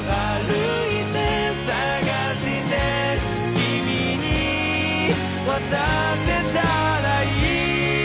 「君に渡せたらいい」